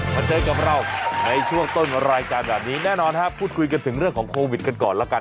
มาเจอกับเราในช่วงต้นรายการแบบนี้แน่นอนครับพูดคุยกันถึงเรื่องของโควิดกันก่อนแล้วกัน